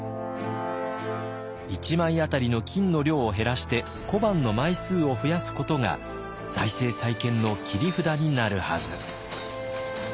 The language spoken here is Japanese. １枚当たりの金の量を減らして小判の枚数を増やすことが財政再建の切り札になるはず。